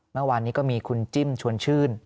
เมื่อวานนี้ก็มีคุณจิ้มชวนชื่น